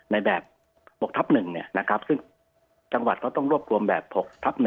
ในแบบ๖ทับ๑ซึ่งจังหวัดเขาต้องรวบรวมแบบ๖ทับ๑